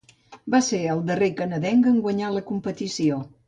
Va ser el darrer canadenc en guanyar la competició.